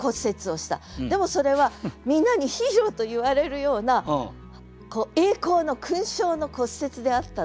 でもそれはみんなにヒーローと言われるような栄光の勲章の骨折であったと。